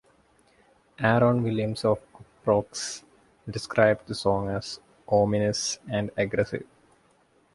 Aaron Williams of "Uproxx" described the song as "ominous" and more "aggressive".